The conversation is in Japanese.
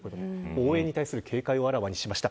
応援に対する警戒をあらわにしました。